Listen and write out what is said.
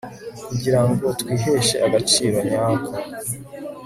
kugira ngo twiheshe agaciro nyako